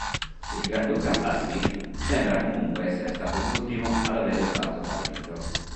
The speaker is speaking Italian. Il granduca Vladimir sembra comunque essere stato l'ultimo ad avere usato tale titolo.